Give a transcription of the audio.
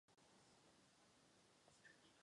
Na severním břehu se nachází malá travnatá pláž.